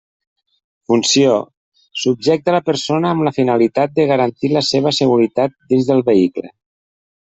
Funció: subjecta la persona amb la finalitat de garantir la seva seguretat dins del vehicle.